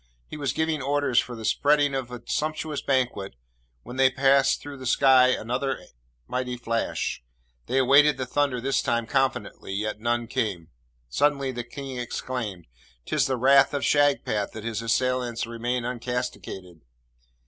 He was giving orders for the spreading of a sumptuous banquet when there passed through the sky another mighty flash. They awaited the thunder this time confidently, yet none came. Suddenly the King exclaimed, ''Tis the wrath of Shagpat that his assailants remain uncastigated!'